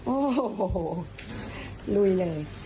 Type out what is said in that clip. โอ้โหลุยเลย